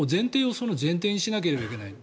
それを前提にしなければいけない。